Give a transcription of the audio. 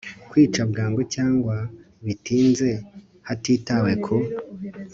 kwica bwangu cyangwa bitinze hatitawe ku